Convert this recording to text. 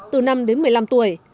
từ năm đến một mươi năm tuổi